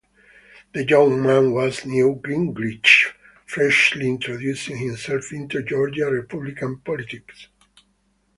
The young man was Newt Gingrich, freshly introducing himself into Georgia Republican politics.